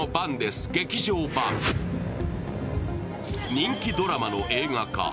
人気ドラマの映画化。